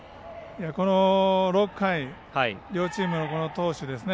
この６回、両チームの投手ですね。